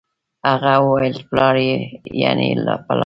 هغه وويل پلار يعنې په لار